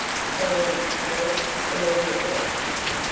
"Silence, please! Immediately!"